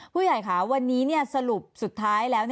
ผู้ใหญ่ค่ะวันนี้สรุปสุดท้ายแล้ว